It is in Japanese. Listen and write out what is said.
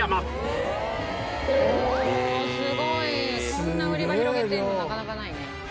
こんな売り場広げてるのなかなかないよ。